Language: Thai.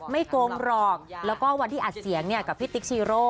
โกงหรอกแล้วก็วันที่อัดเสียงกับพี่ติ๊กชีโร่